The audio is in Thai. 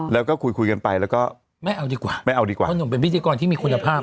แล้วก็คุยกันไปแล้วก็ไม่เอาดีกว่าเพราะหนุ่มเป็นพิธีกรที่มีคุณภาพ